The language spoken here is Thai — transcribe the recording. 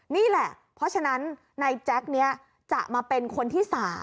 นี่แหละเพราะฉะนั้นนายแจ็คนี้จะมาเป็นคนที่๓